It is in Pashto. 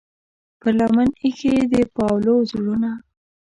پر لمن ایښې د پاولو زړونه